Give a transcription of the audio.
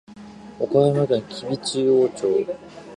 岡山県吉備中央町